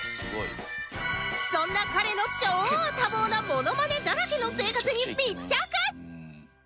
そんな彼の超多忙なモノマネだらけの生活に密着！